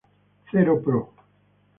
Zero pro.